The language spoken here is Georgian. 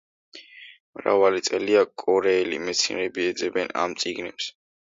მრავალი წელია კორეელი მეცნიერები ეძებენ ამ წიგნებს.